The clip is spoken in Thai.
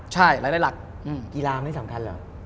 ใช่รายได้หลักกีฬาไม่สำคัญเหรอ